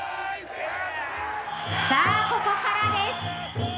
「さあここからです」。